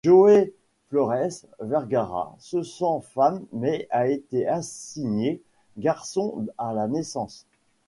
Joey Flores-Vergara se sent femme mais a été assignée garçon à la naissance.